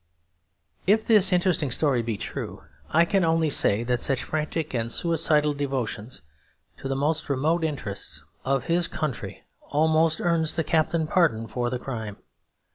If this interesting story be true, I can only say that such frantic and suicidal devotion to the most remote interests of his country almost earns the captain pardon for the crime.